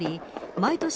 毎年